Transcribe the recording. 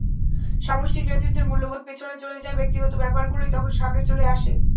সামষ্টিক নেতৃত্বের মূল্যবোধ পেছনে চলে যায়, ব্যক্তিগত ব্যাপারগুলোই তখন সামনে চলে আসে।